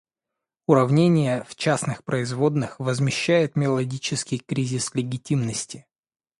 Уравнение в частных производных возмещает мелодический кризис легитимности.